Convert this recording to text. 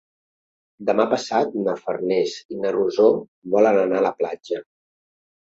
Demà passat na Farners i na Rosó volen anar a la platja.